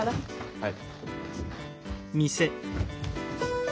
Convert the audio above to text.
はい。